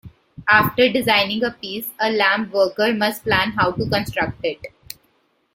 After designing a piece, a lampworker must plan how to construct it.